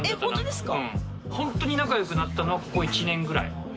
うんホントに仲良くなったのはここ１年ぐらい。